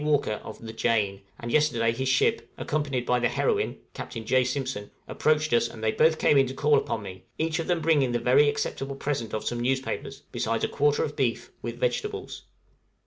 Walker, of the 'Jane,' and yesterday his ship, accompanied by the 'Heroine,' Captain J. Simpson, approached us, and they both came in to call upon me, each of them bringing the very acceptable present of some newspapers, besides a quarter of beef, with vegetables.